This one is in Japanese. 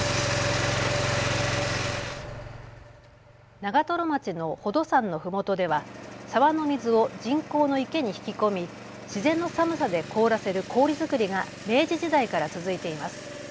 長瀞町の宝登山のふもとでは沢の水を人工の池に引き込み自然の寒さで凍らせる氷作りが明治時代から続いています。